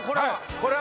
これは？